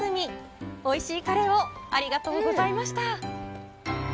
おいしいカレーをありがとうございました。